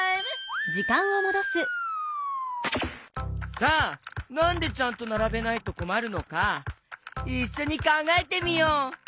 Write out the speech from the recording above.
さあなんでちゃんとならべないとこまるのかいっしょにかんがえてみよう！